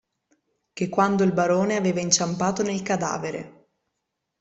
Che quando il barone aveva inciampato nel cadavere.